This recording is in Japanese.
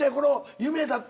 夢だった。